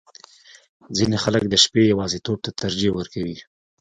• ځینې خلک د شپې یواځیتوب ته ترجیح ورکوي.